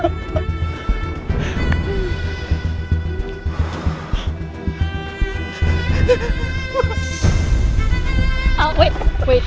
biar bersatunya juga